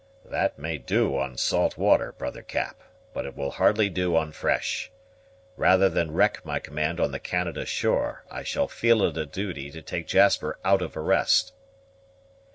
"That may do on salt water, brother Cap, but it will hardly do on fresh. Rather than wreck my command on the Canada shore, I shall feel it a duty to take Jasper out of arrest."